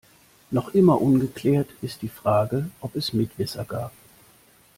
Noch immer ungeklärt ist die Frage, ob es Mitwisser gab.